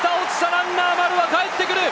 ランナー・丸はかえってくる！